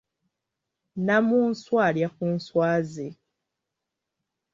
Nnamunswa alya ku nswa ze.